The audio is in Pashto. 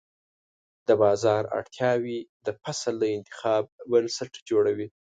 د بازار اړتیاوې د فصل د انتخاب بنسټ جوړوي.